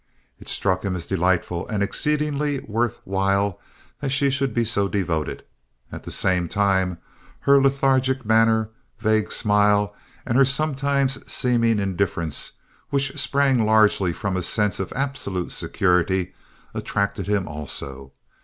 It struck him as delightful and exceedingly worth while that she should be so devoted. At the same time, her lethargic manner, vague smile and her sometimes seeming indifference, which sprang largely from a sense of absolute security, attracted him also.